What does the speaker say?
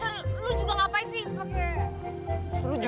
kayaknya baju gak ada